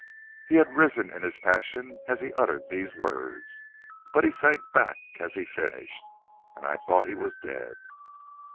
"He had risen in his passion as he uttered these words, but he sank back as he finished, and I thought he was dead.